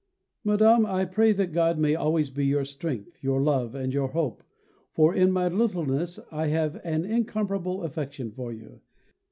Madame, I pray that God may always be your strength, your love, and your hope, for in my littleness I have an incomparable affection for you.